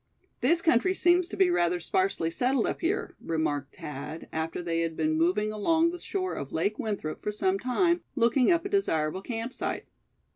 "This country seems to be rather sparsely settled up here?" remarked Thad, after they had been moving along the shore of Lake Winthrop for some time, looking up a desirable camp site.